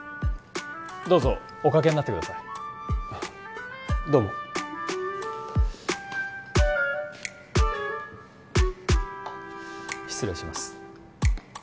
どうぞお掛けになってくださいどうも失礼します